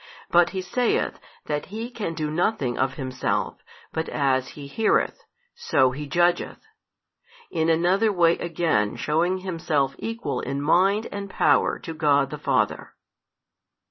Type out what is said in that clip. But He saith that He can do nothing of Himself, but as He heareth, so He judgeth: in another way again shewing Himself Equal in Mind and Power to God the Father.